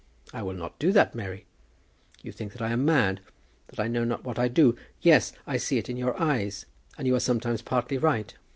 I will not do that, Mary. You think that I am mad, that I know not what I do. Yes, I see it in your eyes; and you are sometimes partly right.